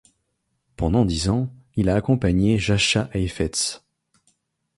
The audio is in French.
Pendant dix ans, il a accompagné Jascha Heifetz.